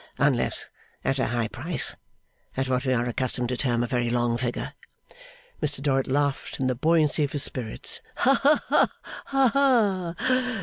' Unless at a high price. At what we are accustomed to term a very long figure.' Mr Dorrit laughed in the buoyancy of his spirit. Ha, ha, ha!